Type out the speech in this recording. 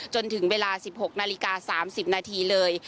จนถึงเวลา๑๖นาฬิกา๓๐นาทีเลย